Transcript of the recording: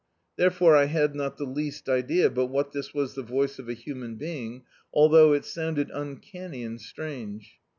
There fore, I had not the least idea but what this was the voice of a human being, although it sounded un canny and strange.